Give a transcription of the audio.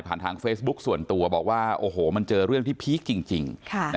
ทางเฟซบุ๊คส่วนตัวบอกว่าโอ้โหมันเจอเรื่องที่พีคจริง